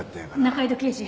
仲井戸刑事。